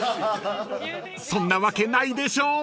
［そんなわけないでしょ！］